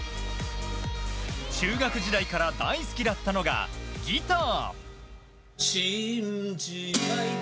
中学時代から大好きだったのがギター。